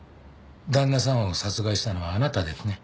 旦那さんを殺害したのはあなたですね？